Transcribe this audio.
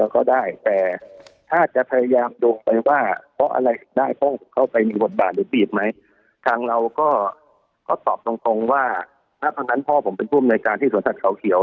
ก็ตอบตรงว่าถ้าเพราะฉะนั้นพ่อผมเป็นผู้อำนวยการที่สวนสัตว์ขาวเขียว